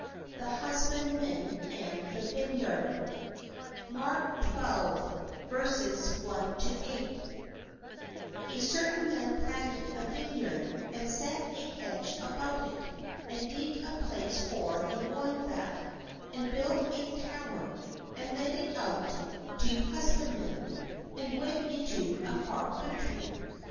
1 THE HUSBANDMEN AND THE VINEYARD THE HUSBANDMEN AND THE VINEYARD CERTAIN man planted a vine yard, and set an hedge about it, and digged a place for the winevat, and built a tower, and let it out to husbandmen, and went into a far country.